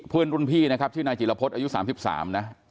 รุ่นพี่นะครับชื่อนายจิลพฤษอายุ๓๓นะ